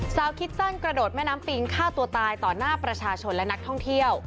คิดสั้นกระโดดแม่น้ำปิงฆ่าตัวตายต่อหน้าประชาชนและนักท่องเที่ยว